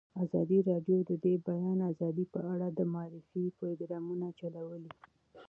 ازادي راډیو د د بیان آزادي په اړه د معارفې پروګرامونه چلولي.